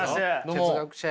哲学者や。